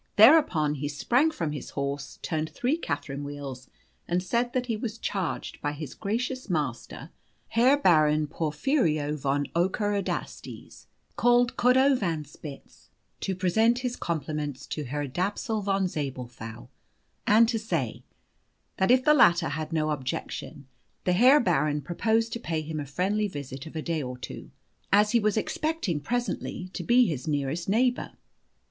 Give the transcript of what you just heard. Thereupon, he sprang from his horse, turned three Catherine wheels, and said that he was charged by his gracious master, the Herr Baron Porphyrio von Ockerodastes, called "Cordovanspitz," to present his compliments to Herr Dapsul von Zabelthau, and to say, that if the latter had no objection, the Herr Baron proposed to pay him a friendly visit of a day or two, as he was expecting presently to be his nearest neighbour.